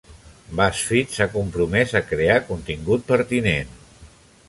BuzzFeed s'ha compromès a crear contingut pertinent.